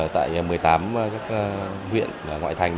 tại một mươi tám huyện ngoại thành